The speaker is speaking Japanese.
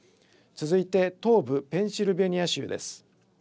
続いて東部ペンシルベニア州です。